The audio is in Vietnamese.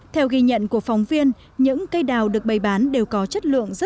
theo ghi nhận của phóng viên những cây đào được bày bán đều có chất lượng